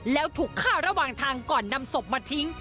แล้วถูกฆ่าระหว่างทางก่อนนำศพมาทิ้ง